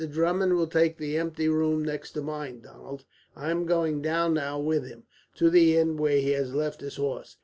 Drummond will take the empty room next to mine, Donald. I am going down now with him, to the inn where he has left his horse.